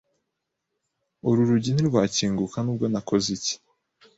Uru rugi ntirwakinguka nubwo nakoze iki.